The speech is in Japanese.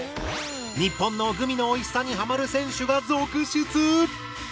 日本のグミのおいしさにハマる選手が続出！